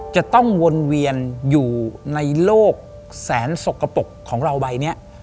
จะต้องวนเวียนอยู่ในโลกแสนสกปรกของเราใบนี้